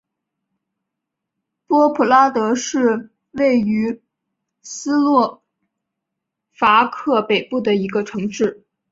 波普拉德是位于斯洛伐克北部的一个城市。